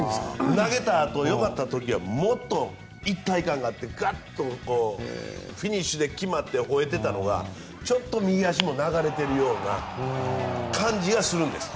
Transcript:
投げたあとよかった時はもっと一体感があってガッとフィニッシュで決まって終えてたのがちょっと右足も流れているような感じがするんです。